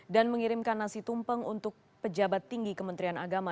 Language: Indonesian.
dan mengirimkan nasi tumpeng untuk pejabat tinggi kementerian agama